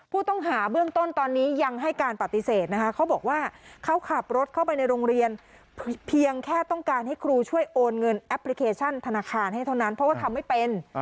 ผู้ต้องหาเบื้องต้นตอนนี้ยังให้การปฏิเสธนะคะเขาบอกว่าเขาขับรถเข้าไปในโรงเรียนเพียงแค่ต้องการให้ครูช่วยโอนเงินแอปพลิเคชันธนาคารให้เท่านั้นเพราะว่าทำไม่เป็น